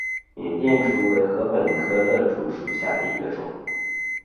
缅甸竹为禾本科簕竹属下的一个种。